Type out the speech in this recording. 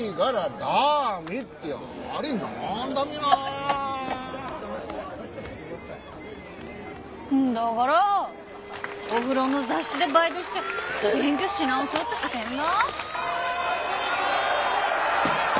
なぁんだからぁお風呂の雑誌でバイトして勉強し直そうとしてんだ